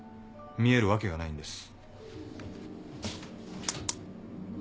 見えるわけがないんです。